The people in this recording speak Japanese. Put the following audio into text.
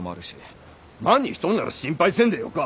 万にひとっなら心配せんでよか。